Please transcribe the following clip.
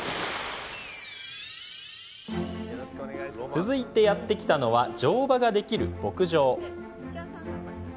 続いて、やって来たのは乗馬ができる牧場。